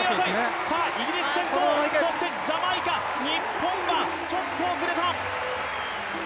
イギリス先頭、そしてジャマイカ、日本はちょっと遅れた。